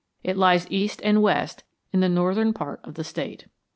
It lies east and west in the northern part of the State.